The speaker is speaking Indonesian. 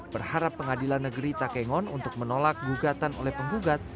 berharap pengadilan negeri takengon untuk menolak gugatan oleh penggugat